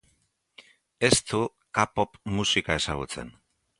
Ez du K-pop musika ezagutzen.